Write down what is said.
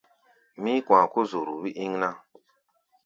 Mí̧í̧-kɔ̧a̧ kó zoro wí íŋ ná.